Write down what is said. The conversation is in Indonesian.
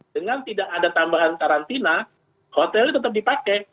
dengan tidak ada tambahan karantina hotelnya tetap dipakai